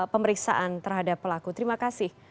pemeriksaan terhadap pelaku terima kasih